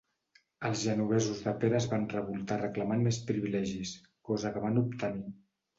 Els genovesos de Pera es van revoltar reclamant més privilegis, cosa que van obtenir.